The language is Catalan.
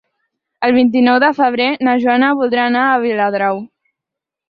El vint-i-nou de febrer na Joana voldria anar a Viladrau.